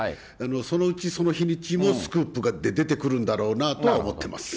そのうち、その日にちもスクープが出てくるんだろうなとは思ってます。